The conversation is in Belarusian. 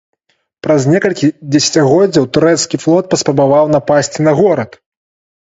Праз некалькі дзесяцігоддзяў турэцкі флот паспрабаваў напасці на горад.